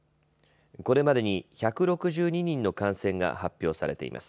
これまでに１６２人の感染が発表されています。